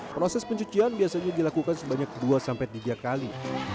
proses pencucian biasanya dilakukan sebanyak dua tiga kali